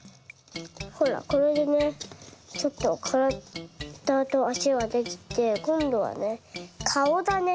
ほらこれでねちょっとからだとあしができてこんどはねかおだね。